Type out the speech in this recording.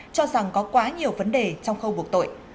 cho rằng có quá nhiều vấn đề trong khâu buộc tội